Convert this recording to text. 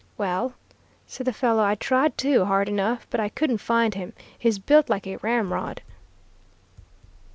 "Well," said the fellow, "I tried to hard enough, but I couldn't find him. He's built like a ramrod."